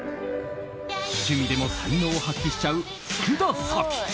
趣味でも才能を発揮しちゃう福田沙紀。